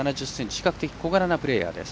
比較的、小柄なプレーヤーです。